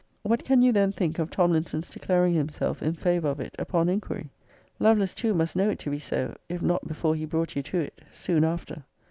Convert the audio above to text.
What can you then think of Tomlinson's declar ing himself in favour of it upon inquiry? Lovelace too must know it to be so; if not before he brought you to it, soon after.